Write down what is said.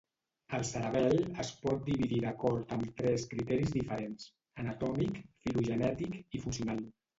El cerebel es pot dividir d'acord amb tres criteris diferents: anatòmic, filogenètic i funcional.